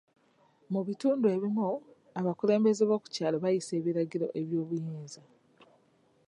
Mu bitundu ebimu abakulembeze b'oku kyalo bayisa ebiragiro eby'obuyinza .